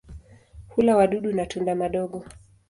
Hula wadudu na tunda madogo.